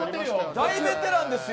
大ベテランですよ。